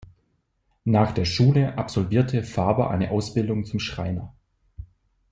Nach der Schule absolvierte Faber eine Ausbildung zum Schreiner.